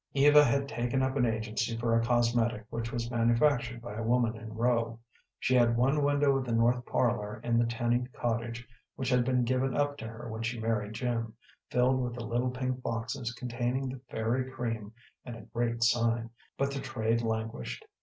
Eva had taken up an agency for a cosmetic which was manufactured by a woman in Rowe. She had one window of the north parlor in the Tenny cottage, which had been given up to her when she married Jim, filled with the little pink boxes containing the "Fairy Cream," and a great sign, but the trade languished.